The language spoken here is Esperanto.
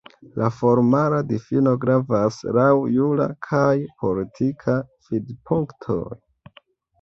La formala difino gravas laŭ jura kaj politika vidpunktoj.